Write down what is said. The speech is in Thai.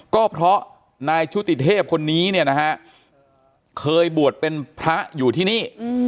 ก็เพราะนายชุติเทพคนนี้เนี่ยนะฮะเคยบวชเป็นพระอยู่ที่นี่